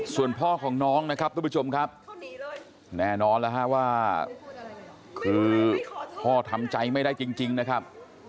ส่วนพ่อของน้องนะครับทุกผู้ชมครับแน่นอนแล้วฮะว่าคือพ่อทำใจไม่ได้จริงนะครับ